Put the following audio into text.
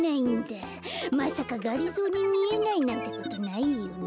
まさかがりぞーにみえないなんてことないよね？